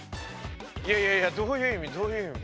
いやいやどういう意味どういう意味？